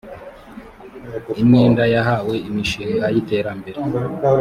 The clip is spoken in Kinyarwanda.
imyenda yahawe imishinga y iterambere